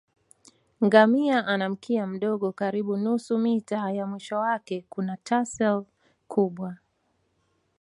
Ngamia ana mkia mdogo karibu nusu mita na mwisho wake kuna tassel kubwa